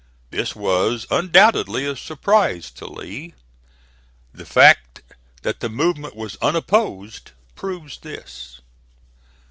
This was undoubtedly a surprise to Lee. The fact that the movement was unopposed proves this.